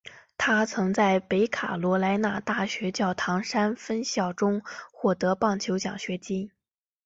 他曾在北卡罗来纳大学教堂山分校中获得棒球奖学金。